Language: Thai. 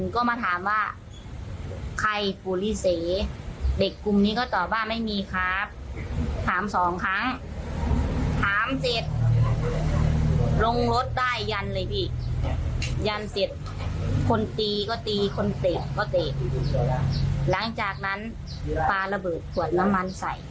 ก็มีมีคนเตะก็เตะหลังจากนั้นปลาระบืดขวดน้ำมันใส่